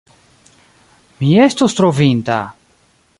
Mi estus trovinta!